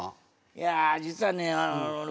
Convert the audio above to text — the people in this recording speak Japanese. いや実はねおれ